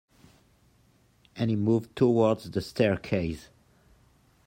And he moved towards the staircase.